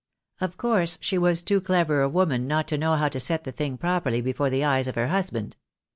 Of course she was too clever a woman not to know how to set the thing properly before the eyes of her husband.